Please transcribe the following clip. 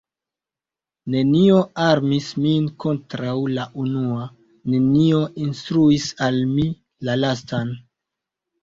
Nenio armis min kontraŭ la unua, nenio instruis al mi la lastan.